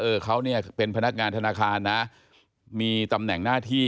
เขาเนี่ยเป็นพนักงานธนาคารนะมีตำแหน่งหน้าที่